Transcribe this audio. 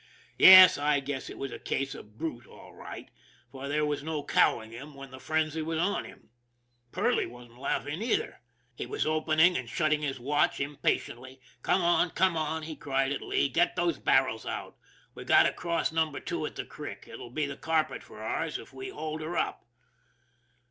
Yes, I guess it was a case of " brute " all right, for there was no cowing him when the frenzy was on him. Perley wasn't laughing, either. He was opening and shutting his watch impatiently. " Come on ! Come on !" he cried at Lee. " Get those barrels out. We've got to cross Number Two at the Creek. It'll be the carpet for ours if we hold her up."